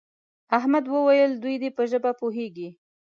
احمد وویل دوی دې په ژبه پوهېږي.